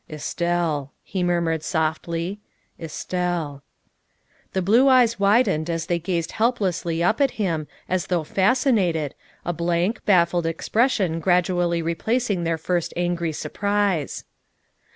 " Estelle," he murmured softly, " Estelle." The blue eyes widened as they gazed helplessly up at him as though fascinated, a blank, baffled expression gradually replacing their first angry surprise.